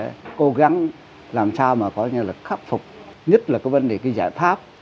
là cái này là cần phải có một cái lựa chọn và cố gắng làm sao mà có như là khắc phục nhất là cái vấn đề cái giải pháp